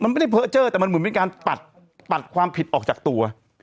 มันไม่ได้เพ้อเจอร์แต่มันเหมือนเป็นการปัดความผิดออกจากตัว